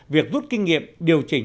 việc rút kinh nghiệm điều chỉnh